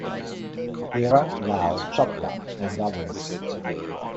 Hira Lal Chopla and others.